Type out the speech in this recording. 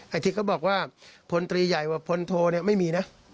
ไอที่ก็บอกว่าพลตีใหญ่เกี่ยวกับพลโทเนี่ยไม่มีนะ